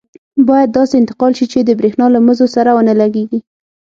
باید داسې انتقال شي چې د بریښنا له مزو سره ونه لګېږي.